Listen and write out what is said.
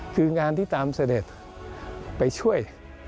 คืองานที่ตามเสด็จไปช่วย